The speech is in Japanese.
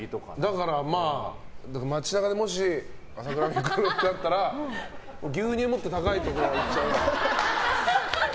だから街中でもし朝倉未来くる！ってなったら牛乳持って高いところ行っちゃう。